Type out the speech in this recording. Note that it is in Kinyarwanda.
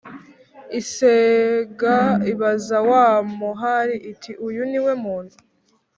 isega ibaza wa muhari iti ” uyu ni we muntu ?